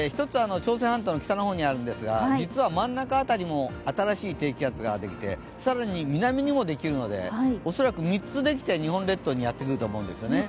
朝鮮半島の北の方にあるんですが実は真ん中辺りも新しい低気圧ができて、更に南にもできるので、恐らく３つできて日本列島にやってくると思います。